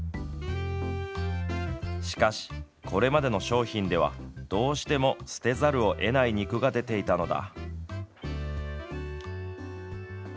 しかし、これまでの商品ではどうしても捨てざるをえない肉が出ていたのだ。